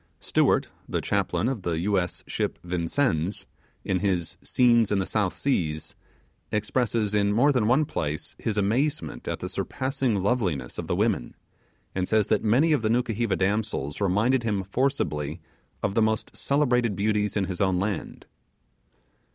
Stewart, the chaplain of the U.S. ship Vincennes, in his 'Scenes in the South Seas', expresses, in more than one place, his amazement at the surpassing loveliness of the women; and says that many of the Nukuheva damsels reminded him forcibly of the most celebrated beauties in his own land.